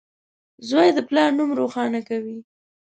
• زوی د پلار نوم روښانه کوي.